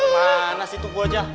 mana sih itu gua jah